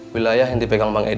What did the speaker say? wilayah yang dipegang banget itu